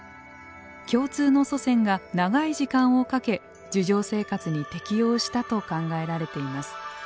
共通の祖先が長い時間をかけ樹上生活に適応したと考えられています。